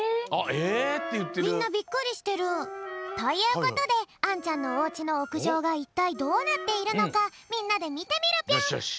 みんなびっくりしてる。ということであんちゃんのおうちのおくじょうがいったいどうなっているのかみんなでみてみるぴょん！